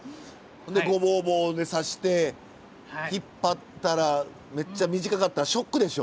ごぼう棒で刺して引っ張ったらめっちゃ短かったらショックでしょ？